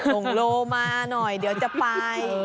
ส่งโลมาหน่อยเดี๋ยวจะไป